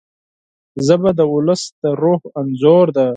ژبه د ولس د روح انځور ده